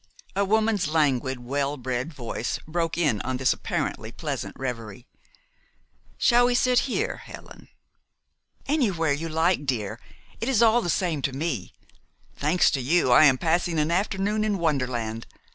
A woman's languid, well bred voice broke in on this apparently pleasant reverie. "Shall we sit here, Helen?" "Anywhere you like, dear. It is all the same to me. Thanks to you, I am passing an afternoon in wonderland.